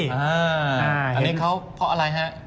อันนี้เขาเพราะอะไรฮะ